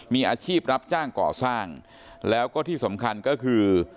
มีอาชีพรับจ้างก่อสร้างแล้วก็ที่สำคัญก็คือ